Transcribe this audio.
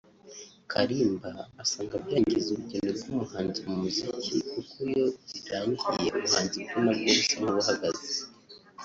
Kalimba asanga byangiza urugendo rw’umuhanzi mu muziki kuko iyo rirangiye ubuhanzi bwe nabwo busa nk’ubuhagaze